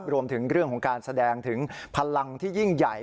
รวมถึงเรื่องของการแสดงถึงพลังที่ยิ่งใหญ่